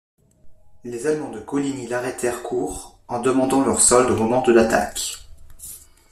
Les Allemands de Coligny l'arrêtèrent court en demandant leur solde au moment de l'attaque.